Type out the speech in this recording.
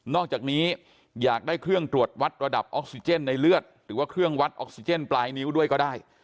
อกจากนี้อยากได้เครื่องตรวจวัดระดับออกซิเจนในเลือดหรือว่าเครื่องวัดออกซิเจนปลายนิ้วด้วยก็ได้